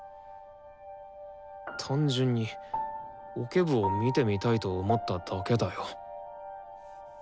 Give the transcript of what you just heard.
単純にオケ部を見てみたいと思っただけだよ。